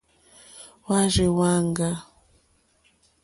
Hwá rzì hwáŋɡá.